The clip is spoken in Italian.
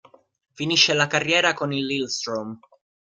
Finisce la carriera con il Lillestrøm.